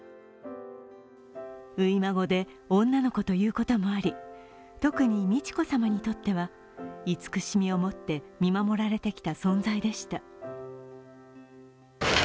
初孫で女の子ということもあり、特に美智子さまにとっては慈しみを持って見守られてきた存在でした。